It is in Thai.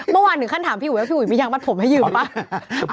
เมื่อวานถึงขั้นถามพี่อุ๋ไหมพี่อุ๋ยมียางมัดผมให้ยืมป่ะ